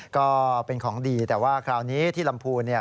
ก็เป็นของดีแต่ว่าคราวนี้ที่ลำพูนเนี่ย